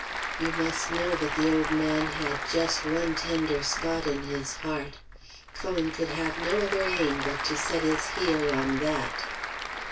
You must know that the old man had just one tender spot in his heart. Cullen could have no other aim but to set his heel on that.